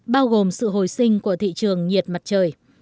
bao gồm sự hồi sinh của thị trường nhiệt mặt trời